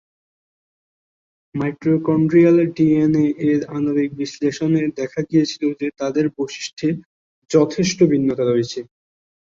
Mitochondrial ডিএনএ-এর আণবিক বিশ্লেষণ-এ দেখা গিয়েছিল যে, তাদের বৈশিষ্ট্যে যথেষ্ট ভিন্নতা রয়েছে।